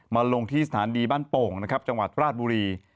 มาลงที่สถานดีบ้านโป่งจังหวัดปราศบุรี